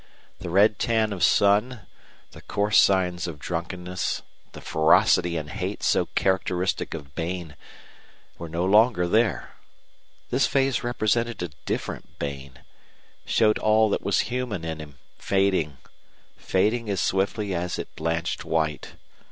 The red tan of sun, the coarse signs of drunkenness, the ferocity and hate so characteristic of Bain were no longer there. This face represented a different Bain, showed all that was human in him fading, fading as swiftly as it blanched white.